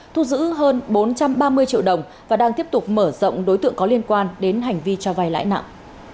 thu giữ hơn bốn trăm ba mươi triệu đồng và đang tiếp tục mở rộng đối tượng có liên quan đến hành vi cho vay lãi nặng